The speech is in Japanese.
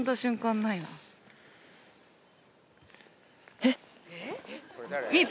えっ？